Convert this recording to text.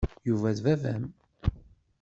Yuba d baba-m.